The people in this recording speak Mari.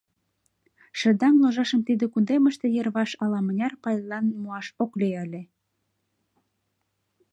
Шыдаҥ ложашым тиде кундемыште йырваш ала-мыняр пальлан муаш ок лий ыле.